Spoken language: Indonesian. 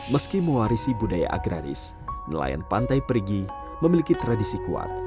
meski mewarisi budaya agraris nelayan pantai perigi memiliki tradisi kuat